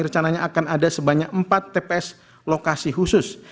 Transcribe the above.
rencananya akan ada sebanyak empat tps lokasi khusus